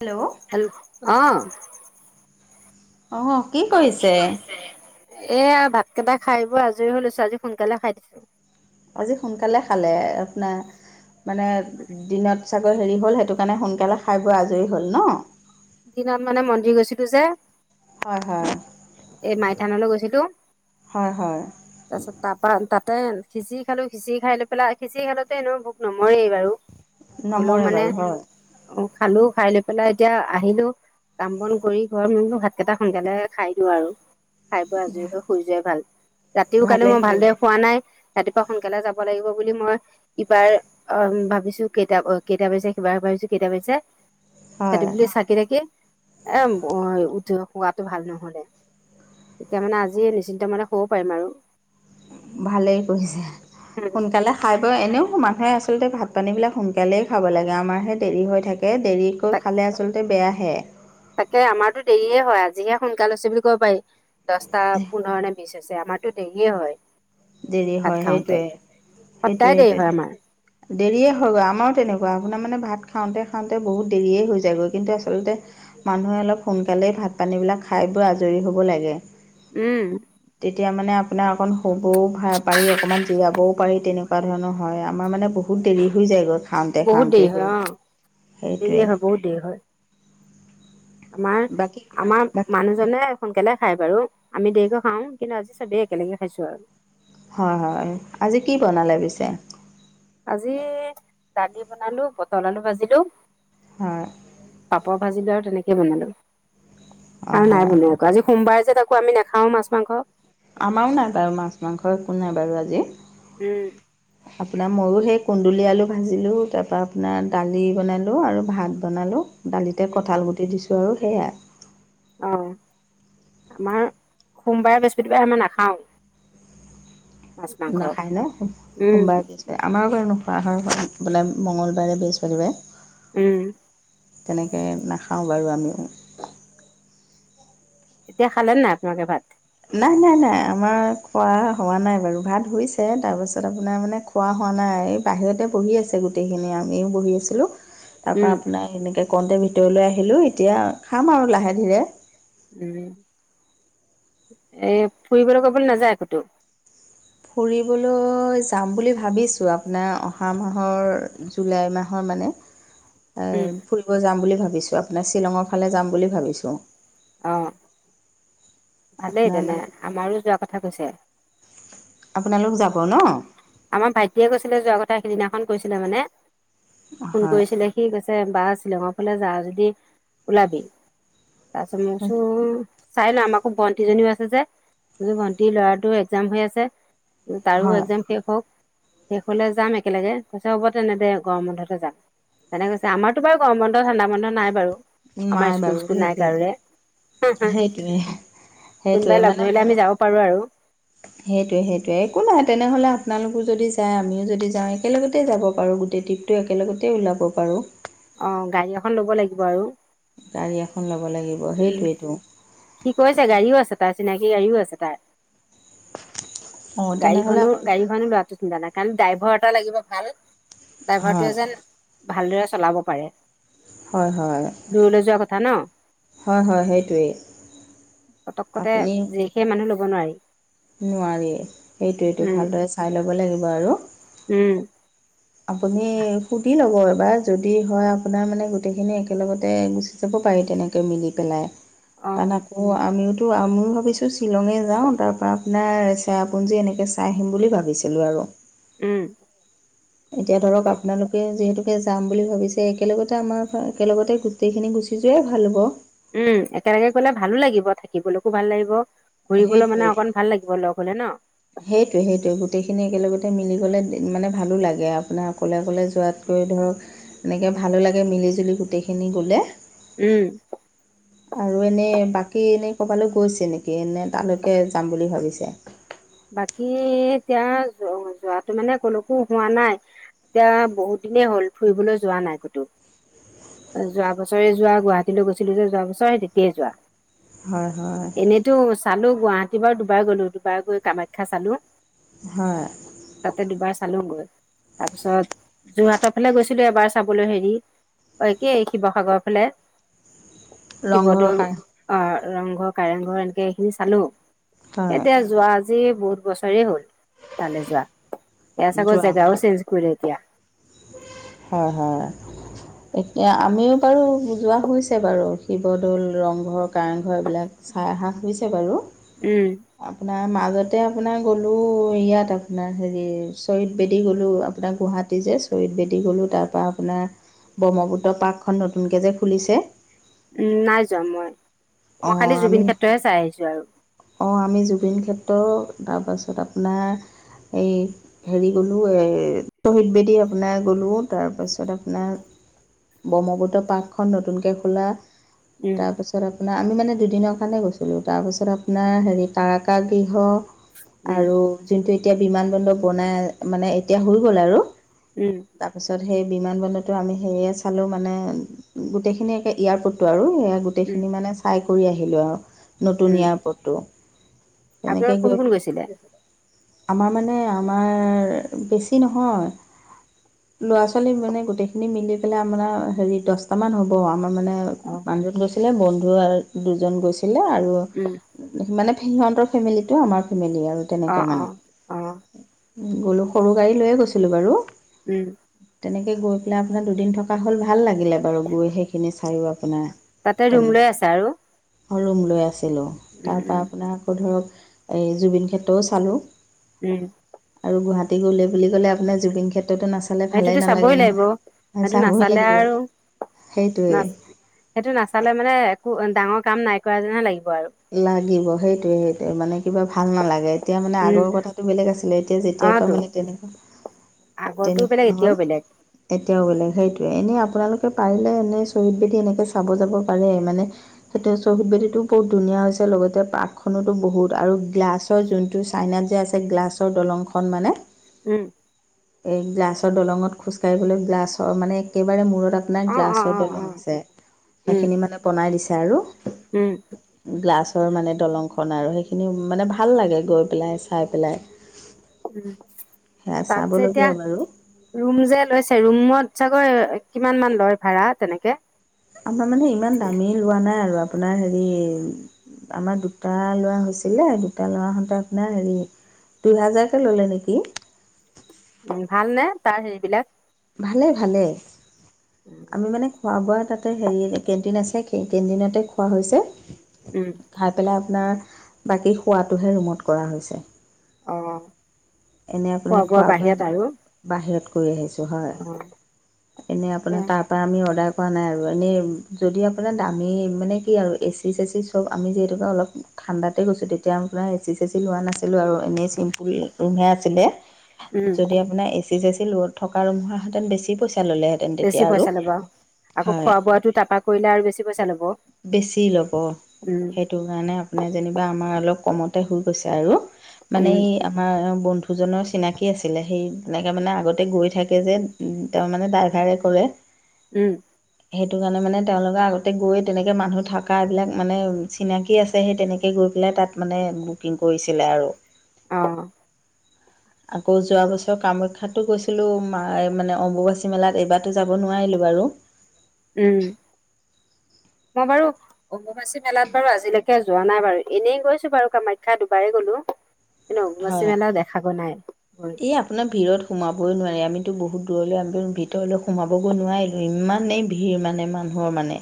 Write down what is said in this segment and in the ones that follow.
Hello hello অঁ অঁ কি কৰিছে? এয়া ভাত কেইতা খাই বৈ আজৰি হৈ লৈছো আজি সোনকালে খাই দিছো আজি সোনকালে খালে আপোনাৰ মানে, দিনত চাগৈ হেৰি হ'ল সেইটো কাৰণে সোনকালে খাই বৈ আজৰি হ'ল ন। দিনত মানে মন্দিৰ গৈছিলোঁ যে। হয় হয়। এই মাই থানলৈ গৈছিলোঁ, হয় হয় তাৰপিছত তাপা তাত ত খিচিৰি খালো খিচিৰি খাই লৈ পেলাই খিচিৰি খালোতে এনেও ভোক নমৰেই বাৰু। হলও নমৰে মানে বাৰু হয় অ' খালো খাই লৈ পেলাই এতিয়া, আহিলো কাম-বন কৰি ঘৰত [unintelligible] ভাতকেইটা সোনকালে খাই দিওঁ আৰু। খাই বৈ আজৰি হৈ শুই যোৱাই ভাল, ৰাতিও কালি ভালেই মই ভালদৰে কৰিলে শুৱা নাই। ৰাতিপুৱা সোনকালে যাব লাগিব বুলি মই ইবাৰ অ' ভাবিছো কেইটা কেইটা বাজি সিবাৰ কেইটা বাজিছে? সেইটো হয় বুলি চা কে, এ উঠো, শুৱাটো ভাল নহ'লে। এতিয়া মানে আজি নিশ্চিন্ত মনে শুব পাৰিম আৰু। ভালেই কৰিছে, উম। সোনকালে খাই বৈ এনেও মানুহে আচলতে ভাত ভাত-পানীবিলাক সোনকালেই খাব লাগে, আমাৰহে দেৰি হৈ থাকে দেৰিকৈ তাক খালে আচলতে বেয়াহে। তাকে আমাৰতো দেৰিয়ে হয় আজি জিহে সোনকাল হৈছে বুলি ক'ব পাৰি, দহটা-পোন্ধৰ নে বিছ হৈছে, আমাৰতো দেৰিয়ে হয়। দেৰি ভাত হয় খাওঁতে। সেইটোৱে, সেইটোৱে সদায় দেৰি হয় আমাৰ সেইটোৱে। দেৰিয়ে হয় গৈ আমাৰো তেনেকুৱা। আপোনাৰ মানে ভাত খাওঁতে খাওঁতে বহুত দেৰিয়ে হৈ যায়গৈ, কিন্তু আচলতে মানুহে অলপ সোনকালেই ভাত পানী বিলাক খাই বৈ আজৰি হ'ব লাগে। উম। তেতিয়া মানে আপোনাৰ অকণ [unintelligible] ঔ, ভাই পাৰি অকমান জিৰাবও পাৰি তেনেকুৱা ধৰণৰ হয় আমাৰ মানে বহুত দেৰি হৈ যায়গৈ। খাওন্তে, বহুত দেৰি খাওন্তে হয় গৈ অ দেৰিয়ে সেইটোৱেই। হয় আমাৰ-আমাৰ বাকী মানুহজনে সোনকালে খাই বাৰু! আমি দেৰিকৈ খাওঁ কিন্তু আজি চবেই একেলগে খাইছো আৰু। হয় হয় আজি কি বনালে পিছে। আজি দালি বনালো পটল, আলু ভাজিলো। হয়। পাপৰ ভাজিলো আৰু তেনেকে বনালো অঁ আৰু নাই হয় বনোৱা একো আজি সোমবাৰে যে তাকো আমি নাখাও মাছ-মাংস। আমাৰও নাই বাৰু মাছ মাংস একো নাই বাৰু আজি। উম। আপোনাৰ ময়ো সেই কুন্দুলি, আলু ভাজিলোঁ তা পা আপোনাৰ দালি বনালো আৰু ভাত বনালো। দালিতে কঁঠাল গুটি দিছো আৰু সেইয়া। অহ। আমাৰ সোমবাৰে বৃহস্পতিবাৰে আমাৰ নাখাওঁ। মাছ মাংস। নাখায় ন উম সোমবাৰে পিছে আমাৰো ঘৰত নোখোৱা হয় [unintelligible] বোলে মঙলবাৰে বৃহস্পতিবাৰে। উম। তেনেকে নাখাওঁ বাৰু আমিও। এতিয়া খালে নাই নাই আপোনালোকে ভাত? নাই, নাই, নাই আমাৰ খোৱা হোৱা নাই বাৰু ভাত হৈছে তাৰপাছত আপোনাৰ মানে খোৱা নহ'লে এই বাহিৰতে বহি আছে গোটেইখিনি, আমিও বহি আছিলোঁ। উম তাৰপৰা আপোনাৰ এনেকৈ কণটে ভিতৰলৈ আহিলোঁ এতিয়া খাম আৰু লাহে ধীৰে। উম, এ ফুৰিবলৈ, ক'বলৈ নাযায় ক'তো? ফুৰিবলৈ যাম বুলি ভাবিছোঁ, আপোনাৰ অহা মাহৰ জুলাই মাহত মানে, উম অ', ফুৰিব যাম বুলি ভাবিছোঁ আপোনাৰ শ্বিলঙৰ ফালে যাম বুলি ভাবিছোঁ। আহ। ভালেই আপোনাৰ তেনে, মানে আমাৰো যোৱা কথা কৈছে। আপোনালোক যাব ন'? আমাৰ ভাইটিয়ে কৈছিলে যোৱাৰ কথা। সিদিনাখন কৈছিলে মানে। ফোন হয় কৰিছিলে সি কৈছে বা শ্বিলঙৰ ফালে যা যদি ওলাবি। তৰছত মই কৈছো চাই লওঁ আমাকো ভন্টিজনীও আছে যে ভন্টি ল'ৰাটো এক্সজাম হৈ আছে। তাৰো হয় এক্জাম শেষ হওক শেষ হলে যাম একেলগে কৈছে হ'ব তেনে দে গৰম বন্ধতে যাম। তেনে কৈছে আমাৰতো বাৰু গৰম বন্ধ ঠাণ্ডা বন্ধ নাই বাৰু আমাৰ নাই স্কুল বাৰু স্কুল নাই সেইটোৱে কাৰোৰে। উম, উম, সেইটোৱে কোনবাই লগ ধৰিলে আমি যাব পাৰোঁ আৰু। সেইটোয়ে সেইটোয়ে একো নাহাই তেনেহলে আপোনালোকো যদি যায় আমিও যদি যাওঁ একেলগতে যাব পাৰোঁ, গোটেই ট্ৰিপটো একেলগতে ওলাব পাৰোঁ। অ গাড়ী এখন লব লাগিব আৰু গাড়ী এখন ল'ব লাগিব উম, সেইটোৱেতো কি কৈছে গাড়ীও আছে তাই চিনাকি গাড়ীও আছে তাই অঁ তেনেহ'লে গাড়ীখনো আপুনি গাড়ীখনো ল'ৰাটো চিন্তা নাই। কাৰণ ড্ৰাইভৰ এটা লাগিব ভাল হয় ড্ৰাইভাৰটোৱে যেন ভালদৰে চলাব পাৰে। হয়, হয়, দূৰলৈ যোৱা কথা ন হয়, হয়, সেইটোৱেই। পতক কতে আপুনি যে সেই মানুহ ল'ব নোৱাৰি। নোৱাৰি সেইটোৱে উম ভালদৰে চাই ল'ব লাগিব আৰু উম, আপুনি সুধি ল'ব। যদি হয় আপোনাৰ মানে গোটেইখিনি একেলগতে গুচি যাব পাৰি তেনেকৈ মিলি পেলাই। অ কাৰণ আকৌ আমি, তো আময়ও ভাবিছোঁ শ্বিলঙে যাওঁ তাৰপৰা আপোনাৰ চেৰাপুঞ্জী এনেকৈ চাই আহিম বুলি ভাবিছিলোঁ আৰু উম, এতিয়া ধৰক আপোনালোকে যিহেতুকে যাম বুলি ভাবিছে, একেলগতে আমাৰ একেলগতে গোটেইখিনি গুছি যোৱাই ভাল হ'ব। উম, একেলগে গ'লে ভালোঁ লাগিব, থাকিবলৈকো ভাল লাগিব, ঘুৰিবলৈ মানে সেইটোৱেই অকন ভাল লাগিব লগ হ'লে ন। সেইটোৱে সেইটোৱে গোটেইখিনি একেলগতে মিলি গ'লে মানে ভালোঁ লাগে, আপোনাৰ অকলে অকলে যোৱাত এই ধৰ এনেকৈ ভালোঁ লাগে মিলি জুলি গোটেইখিনি গ'লে। উম। আৰু এনেই বাকী এনে কৰবালৈ গৈছে নেকি এনে তালৈকে যাম বুলি ভাবিছে। বাকী এতিয়া যোৱাতো মানে কলৈকো হোৱা নাই এতিয়া বহুত, বহুত দিনেই হ'ল ফুৰিবলৈ যোৱা নাই কতো। যোৱা বছৰে যোৱা গুৱাহাটীলৈ গৈছিলোঁ যে যোৱা বছৰে তেতিয়াই যোৱা। হয় হয় এনেইতো চালোঁ গুৱাহাটী বাৰু দুবাৰ গলোঁ, দুবাৰ গৈ কামাখ্যা চালোঁ। হয়। চালোগৈ, তাৰপিছত যোৰহাটৰ ফালে গৈছিলোঁ এবাৰ চাবলৈ হেৰি। অ একেই শিৱসাগৰৰ ফালে। ৰংঘৰৰ শিৱদল কাৰ অ ৰংঘৰ কাৰেংঘৰ এনেকে এইখিনি চালো। হয় এতিয়া যোৱা আজি বহুত বছৰে হ'ল। তালে যোৱা, এয়া চাগৰ যোৱা হয় জেগাও চেঞ্জ কৰিলে এতিয়া। হয় হয় এতিয়া, আমিও বাৰু যোৱা হৈছে বাৰু, শিৱদৌল, ৰংঘৰ, কাৰেংঘৰ এইবিলাক চাই অহাঁ হৈছে বাৰু। উম। আপোনাৰ মাজতে আপোনাৰ গ'লো ইয়াত আপোনাৰ হেৰি শ্বহীদ বেদী গ'লো আপোনাৰ গুৱাহাটীত। শ্বহীদ বেদি গ'লো, তাৰপৰা আপোনাৰ ব্ৰহ্মপুত্ৰ পাৰ্কখন নতুনকে যে খুলিছে। উম, নাই যোৱা মই, অঁ মই খালি আমি জুবিন ক্ষেত্ৰহে চাই আহিছোঁ আৰু। অঁ আমি জুবিন ক্ষেত্ৰ তাৰপাছত আপোনাৰ এই হেৰি গ'লোঁ শ্বহীদ বেদী আপোনাৰ গ'লোঁ তাৰপাছত আপোনাৰ ব্ৰহ্মপুত্ৰ পাৰ্কখন নতুনকৈ খোলা উম তাৰপিছত আপোনাৰ আমি মানে দুদিনৰ কাৰণে গৈছিলোঁ তাৰপাছত আপোনাৰ হেৰি তাৰকাগৃহ উম আৰু যোনটো এতিয়া বিমান বন্দৰ বনাই মানে এতিয়া হৈ গ'ল আৰু উম তাৰপিছত সেই বিমান বন্দৰতো আমি সেয়া চালো মানে গোটেইখিনি একে এয়াৰপৰ্টটো আৰু উম গোটেইখিনি মানে চাই কৰি আহিলোঁ আৰু নতুন উম এয়াৰপটটো। আপোনালোক কোন কোন গৈছিলে? আমাৰ মানে আমাৰ বেছি নহয়। ল'ৰা-ছোৱালী মানে গোটেইখিনি মিলি পেলাই আমাৰ হেৰি দশটা মান হ'ব। আমাৰ মানে অ মানুহ জন গৈছিলে, বন্ধু দুজন গৈছিলে আৰু উম মানে সিহঁতৰ ফেমিলিটো আমাৰ ফেমিলি আৰু অ তেনেকে অ মানে। অ গ'লোঁ সৰু গাড়ী লৈয়ে গৈছিলোঁ বাৰু। উম। তেনেকৈ গৈ পেলাই আপোনাৰ দুদিন থকা হ'ল ভাল লাগিলে বাৰু গৈ সেইখিনি চাইও আপোনাৰ। তাতে ৰুম তেনেকৈ লৈ আছা আৰু? ৰুম লৈ আছিলোঁ। উম তাৰপৰা উম আপোনাৰ আকৌ ধৰক এই জুবিন ক্ষেত্ৰও চালোঁ। উম। আৰু গুৱাহাটী গ'লে বুলি ক'লে আপোনাৰ জুবিন ক্ষেত্ৰতো না সেইটোতো চাবই লাগিব, সেইটো চাবই নাচালে লাগিব আৰু নাচ সেইটোৱেই সেইটো নাচালে মানে একো ডাঙৰ কাম নাই কৰা যেনহে লাগিব। আৰু লাগিব সেইটোৱে সেইটোৱে মানে। কিবা ভাল নালাগে এতিয়া মানে উম আগৰ কথাটো বেলেগ আছিলে এতিয়া অ যেতিয়াৰ পৰা তো মানে তেনেকুৱা আগৰটো বেলেগ তেনেকুৱা হ'ল এতিয়াও বেলেগ এতিয়াও বেলেগ সেইটোৱে। এনেই আপোনালোকে পাৰিলে এনেই শ্বহীদ বেদী এনেকে চাব যাব পাৰে মানে শ্বহীদ বেদী টো বহু ধুনীয়া হৈছে লগতে পাৰ্কখনোতো বহুত আৰু গ্লাছৰ যোনটো চাইনাত যে আছে গ্লাছৰ দলং খন মানে উম। এই গ্লাছৰ দলঙত খোজকাাঢ়িবলৈ গ্লাছৰ মানে একেবাৰে মূৰত আপোনাৰ অ অ গ্লাছৰ অ অ দলং আছে উম, সেইখিনি মানে বনাই দিছে আৰু। উম। গ্লাছৰ মানে দলংখন আৰু সেইখিনি মানে ভাল লাগে গৈ পেলাই চাই পেলাই। উম সেয়া তাত যেতিয়া চাবলগীয়া বাৰু ৰুম যে লৈছে ৰুমত চাগৈ কিমান মান লয় ভাড়া তেনেকে? আমাৰ মানে ইমান দামি লোৱা নাই আৰু আপোনাৰ হেৰি আমাৰ দুটা লোৱা হৈছিলে দুটা লোৱা হওঁতে আপোনাৰ হেৰি দুই হাজাৰকে ল'লে নেকি। ভাল নে তাৰ হেৰি বিলাক। ভালে ভালে। আমি মানে খোৱা বোৱা তাতে হেৰি কেণ্টিন আছে সেই কেণ্টিনতে খোৱা হৈছে। উম, খাই পেলাই আপোনাৰ বাকী শোৱাটোহে ৰুমত কৰা হৈছে। অ', এনে আপোনাৰ খোৱা বোৱা বাহিৰত আৰু খোৱা-বোৱা বাহিৰত কৰি আহিছোঁ হয় অ', এনেই এ আপোনাৰ তাৰপৰা আমি অৰ্ডাৰ, পোৱা নাই আৰু এনেই যদি আপোনাৰ দামী মানে কি আৰু এ চি চে চি চব আমি যিহেতুকে অলপ, ঠাণ্ডাতে গৈছোঁ তেতিয়া আপোনাৰ এ চি চে চি লোৱা নাছিলোঁ আৰু এনেই চিম্পুল ৰুম হে আছিলে উম, যদি আপোনাৰ এচি চেচি ল থকা ৰুম হতেন বেছি পইচা, ল'লেহেঁতেন বেছি তেতিয়া আৰু পইচা ল'ব আকৌ হয় খোৱা বোৱাটো তাৰপৰা কৰিলে আৰু বেছি পইচা ল'ব। বেছি ল'ব, উম, সেইটো কাৰণে আপোনাৰ যেনিবা আমাৰ অলপ কমতে হৈ গৈছে আৰু। মানে উম, এই আমাৰ বন্ধু, দুজনৰ চিনাকি আছিলে সেই তেনেকে মানে আগতে গৈ থাকে যে তেওঁ মানে ডাইভাৰে কৰে। উম হেইটো কাৰণে মানে তেওঁলোকে আগতে গৈ। তেনেকৈ মানুহ থকা এইবিলাক মানে চিনাকি আছে সেই তেনেকৈ গৈ পেলাই তাত মানে বুকিং কৰিছিলে আৰু অ আকৌ যোৱা বছৰ কামাখ্যাতো গৈছিলোঁ, মানে অম্বুবাচী মেলাত এইবাৰতো যাব নোৱাৰিলোঁ বাৰু। ৰো উম। মই বাৰু অম্ববাচী মেলাত বাৰু আজিলৈকে যোৱা নাই বাৰু এনেই গৈছো বাৰু কামাখ্যা দুবাৰেই গলো [inaudible] হয়, মেলা দেখাগৈ নাই গৈ এই আপোনাৰ ভিৰত সোমাবই নোৱাৰে আমি টো বহুত দূৰলৈ আমি ভিতৰলৈ সোমাবগৈ নোৱাৰিলোঁ, ইমানেই ভিৰৰ মানে মানুহৰ মানে।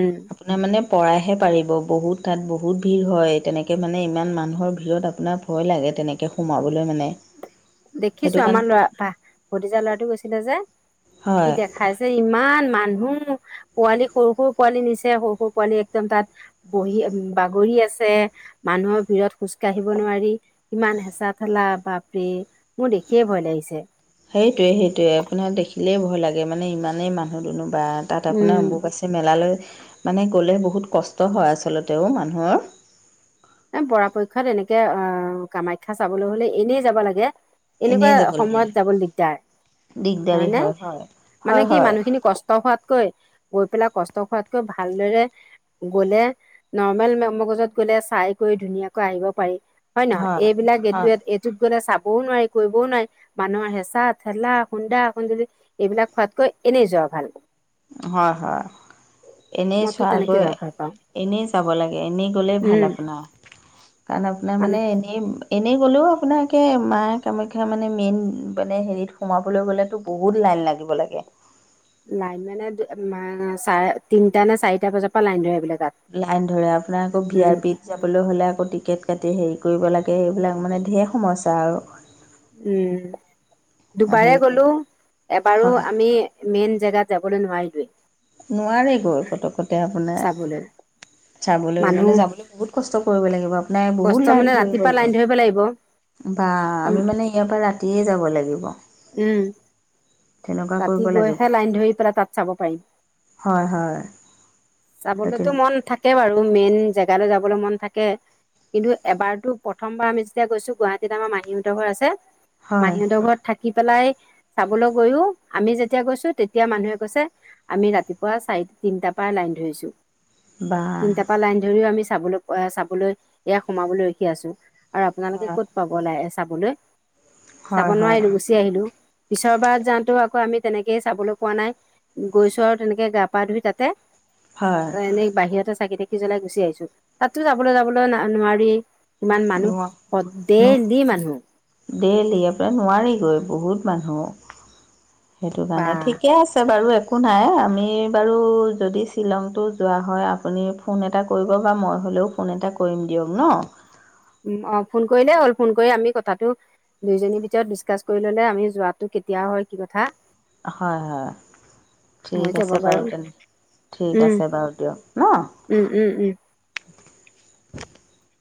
উম। আপোনাৰ মানে পৰাইহে পাৰিব বহুত তাত বহুত ভিৰ হয় তেনেকে মানে ইমান মানুহৰ ভিৰত আপোনাৰ ভয় লাগে তেনেকে সোমাবলৈ মানে সেইটো দেখিছো কাৰণে আমাৰ লৰা ভতিজা ল'ৰাটো গৈছিলে যে সি হয় দেখাইছে ইমান মানুহ পোৱালি সৰু সৰু পোৱালি নিছে সৰু সৰু পোৱালি একদম তাত বহি বাগৰি আছে মানুহৰ ভিৰত খোজ কাঢ়িব নোৱাৰি কিমান হেঁচা ঠেলা বাপৰে মোৰৰ দেখিয়ে ভয় লাগিছে। সেইটোয়ে, সেইটোৱে আপোনাৰ দেখিলেই ভয় লাগে মানে ইমানেই মানুহ দুনোহ বা তাত আপোনাৰ উম অম্বুবাচী মেলালৈ মানে গ'লে বহুত কষ্ট হয় আচলতেও মানুহৰ এই পৰাপক্ষত এনেকে আহ কামাখ্যা চাবলৈ হ'লে এনেই যাব লাগে। এনেকুৱা এনেই যাব লাগে সময়ত যাবল দিগদাৰ। হয় দিগদাৰী নে মানে হয় কি হয় মানুহখিনি কষ্ট হোৱাতকৈ গৈ পেলাই কষ্ট খোৱাতকৈ ভালদৰে গ'লে নৰ্মেল মগজত গ'লে চাই গৈ ধুনীয়াকৈ আহিব পাৰি হয়, নহয়। এইবিলাক এই এইটোত গ'লে ছাপ। কবও নোৱাৰি কৰিবও নোৱাৰি মানুহৰ হেঁচা ঠেলা খুন্দা খুন্দলি এইবিলাক খোৱাতকৈ এনেই যোৱা ভাল হয়, হয়। এনেই মইতো তেনেকে চোৱগৈ, যোৱা ভাল পাওঁ এনেই যাব লাগে, এনেই গ'লেই ভাল উম আপোনাৰ। কাৰণ আপোনাৰ মানে এনেই এনেই গ'লেও আপোনাৰাকে মা কামাখ্যা মানে মেইন মানে হেৰিত সোমাবলৈ গ'লেতো বহুত লাই লাইন লাগিব লাগে লাইন মানে মা চাৰে তিনটা নে চাৰিটা বজাৰ পৰা লাইন ধৰে এইবিলাক লাইন ধৰে আপোনাৰ আকৌ ভি আৰ পিত যাবলৈ হ'লে আকৌ টিকেট কাট টি হেৰি কৰিব লাগে এইবিলাক মানে ঢেৰ সমস্যা আৰু উম দুবাৰে হেৰি কৰি গলো এবাৰো হয় আমি মেইন জেগাত যাবলৈ নোৱাৰিলেও। নোৱাৰে গৈ পতকতে আপোনাৰ চাবলৈ চাবলৈ মানুহ মানে যাবলৈ বহুত কষ্ট। কৰিব লাগিব আপোনাৰ কষ্ট বহুত মানে লাইন ধৰি ৰাতিপুৱা লাইন গ'ল। ধৰিব লাগিব বা আমি মানে ইয়াৰ পা ৰাতিয়ে যাব লাগিব। উম তেনেকুৱা ৰাতি কৰিব লাগিব গৈহে লাইন ধৰি পেলাই তাত চাব পাৰি। হয় হয় সেই চাবলেতো তেনে মন থাকে বাৰত। আৰু মেইন জেগালৈ যাবলৈ মন থাকে। কিন্তু এবাৰতো প্ৰথমবাৰ আমি যেতিয়া গৈছো গুৱাহাটীত আমাৰ মাহীহঁতৰ ঘৰ আছে। হয় মাহীঁতৰ ঘৰত থাকি পেলাই চাবলৈ গৈও আমি যেতিয়া গৈছো তেতিয়া মানুহে কৈছে আমি ৰাতিপুৱা চাইত তিনটা পা লাইন ধৰিছো। বা তিনটা পা লাইন ধৰিও আমি চাবলৈ চাবলৈ এয়া সোমাবলৈ ৰখি আছো। আৰু আপোনালোকে হয় ক'ত পাব ল চাবলৈ চাব হয় হয় নোৱাৰিলো গুচি আহিলো। পিছৰবাৰ যাওটো আক আমি তেনেকেইে চাবলৈ পোৱা নাই গৈছো আৰু তেনেকে গা পা ধুই তাতে হয় এনেই বাহিৰতে চাকি তাকি জ্বলাই গুচি আহিছো তাতো যাবলৈ যাবলৈ না নোৱাৰি। কিমান ন মানুহ সদ দেহলি মানুহ। দেইলি ইয়াৰ পৰা নোৱাৰিগৈ বহুত মানুহ। সেইটো বা কাৰণে ঠিকে আছে বাৰু। একো নাই আমি বাৰু যদি শ্বিলংটো যোৱা হয়। আপুনি ফোন এটা কৰিব বা মই। হ'লেও ফোন এটা কৰিম দিয়ক ন। অ ফোন কৰিলেই হ'ল ফোন কৰি আমি কথাটো দুইজনীৰ ভিতৰত ডিচকাছ কৰি ললে আমি যোৱাটো কেতিয়া হয় কি কথা। হয় হয় ঠিক হৈ যাব আছে বাৰু তেনে ঠিক উম আছে বাৰু দিয়ক ন উম উম উম [unintelligible]